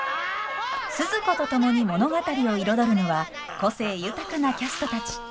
スズ子と共に物語を彩るのは個性豊かなキャストたち。